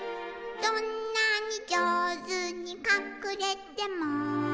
「どんなにじょうずにかくれても」